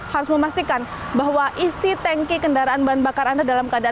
harus memastikan bahwa isi tanki kendaraan bahan bakar anda dalam keadaan